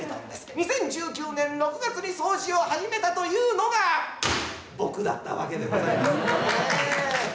２０１９年６月に掃除を始めたというのが僕だったわけでございます。